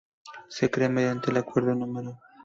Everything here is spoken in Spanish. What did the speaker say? Se crea mediante el Acuerdo No.